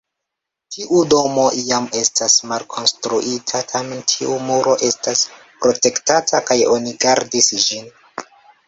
Tiu domo jam estas malkonstruita, tamen tiu muro estas protektata kaj oni gardis ĝin.